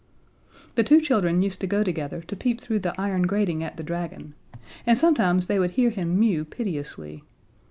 The two children used to go together to peep through the iron grating at the dragon, and sometimes they would hear him mew piteously.